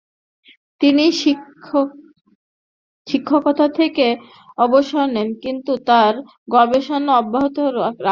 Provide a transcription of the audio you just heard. তিনি শিক্ষকতা থেকে অবসর নেন, কিন্তু তার গবেষণা অব্যাহত রাখেন।